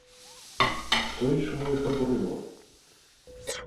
Што і чаму іх абурыла?